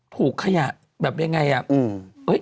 ถูกไข่อย่างไรอ่ะ